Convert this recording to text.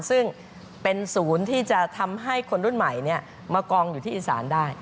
ซึ่งเป็นศูนย์ที่จะทำให้คนรุ่นใหม่มากองอยู่ที่อีสานได้